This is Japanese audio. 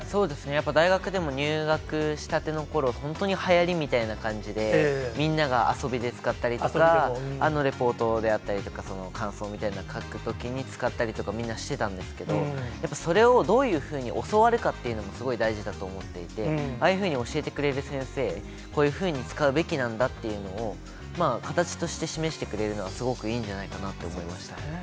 やっぱり大学でも入学したてのころ、本当にはやりみたいな感じで、みんなが遊びで使ったりとか、レポートであったりとか感想みたいな書くときに使ったりとか、みんなしてたんですけど、やっぱそれをどういうふうに教わるかっていうのはすごい大事だと思っていて、ああいうふうに教えてくれる先生、こういうふうに使うべきなんだというのを、形として示してくれるのはすごくいいんじゃないかなと思いました。